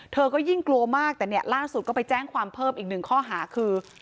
เธอก็ยิ่งกลัวมากแต่เนี่ยล่าสุดก็ไปแจ้งความเพิ่มอีกหนึ่งข้อหาคือ